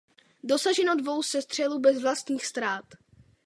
Dosaženo dvou sestřelů bez vlastních ztrát.